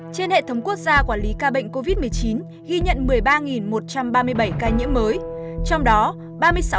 trên hệ thống quốc gia quản lý ca bệnh covid một mươi chín ghi nhận một mươi ba một trăm ba mươi bảy ca nhiễm mới trong đó